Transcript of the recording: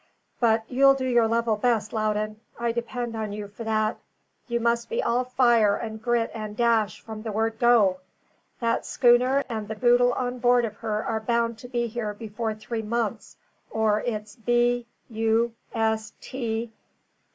But you'll do your level best, Loudon; I depend on you for that. You must be all fire and grit and dash from the word 'go.' That schooner and the boodle on board of her are bound to be here before three months, or it's B. U. S.